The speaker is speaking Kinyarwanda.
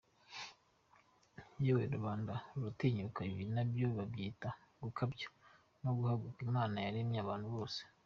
Yewe, rubanda ruratinyuka, ibi nabyo babyita gukabya no kubahuka Imana yaremye abantu bose.